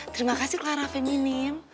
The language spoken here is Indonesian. terima kasih clara feminim